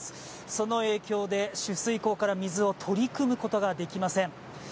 その影響で取水口から水を取りくむことができません。